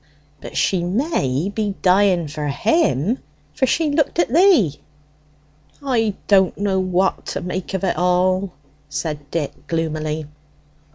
"But she may be dying for him, for she looked at thee." "I don't know what to make of it at all," said Dick gloomily.